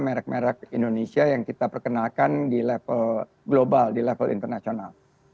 merek merek indonesia yang kita perkenalkan di level global di level internasional